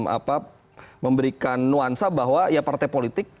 apa memberikan nuansa bahwa ya partai politik